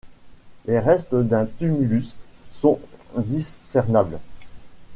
Les restes d'un tumulus sont discernables.